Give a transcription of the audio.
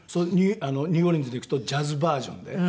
ニューオーリンズに行くとジャズバージョンで。